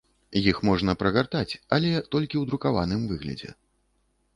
Іх можна прагартаць, але толькі ў друкаваным выглядзе.